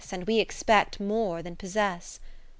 And we expect more than possess.